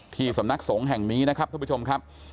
สำนักสงฆ์แห่งนี้นะครับท่านผู้ชมครับ